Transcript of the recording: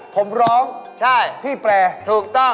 ผมร้องพี่แปรใช่ถูกต้อง